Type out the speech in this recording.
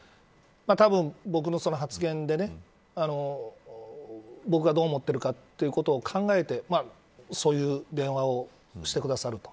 たぶん、僕の発言で僕が、どう思ってるかということを考えてそういう電話をしてくださると。